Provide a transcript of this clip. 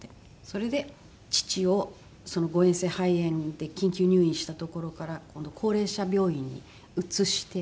それで父をその誤嚥性肺炎で緊急入院した所から今度高齢者病院に移して。